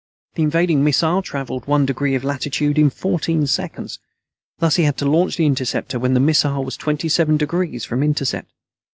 The invading missile traveled one degree of latitude in fourteen seconds. Thus he had to launch the interceptor when the missile was twenty seven degrees from intercept.